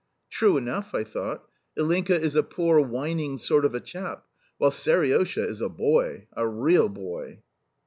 "True enough," I thought. "Ilinka is a poor whining sort of a chap, while Seriosha is a boy a REAL boy."